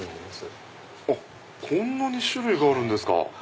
こんなに種類があるんですか。